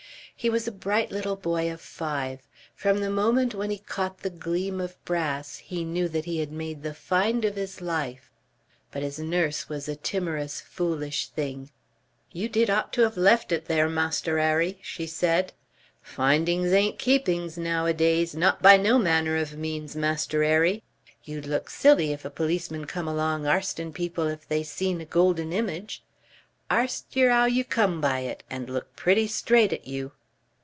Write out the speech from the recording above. He was a bright little boy of five. From the moment when he caught the gleam of brass he knew that he had made the find of his life. But his nurse was a timorous, foolish thing. "You did ought to of left it there, Masterrarry," she said. "Findings ain't keepings nowadays, not by no manner of means, Masterrarry. "Yew'd look silly if a policeman came along arsting people if they seen a goldennimage. "Arst yer 'ow you come by it and look pretty straight at you."